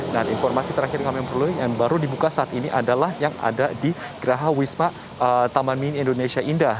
nah informasi terakhir yang baru dibuka saat ini adalah yang ada di geraha wisma taman mini indonesia indah